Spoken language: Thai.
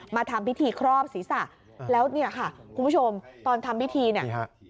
ทำพิธีครอบศีรษะแล้วเนี่ยค่ะคุณผู้ชมตอนทำพิธีเนี่ย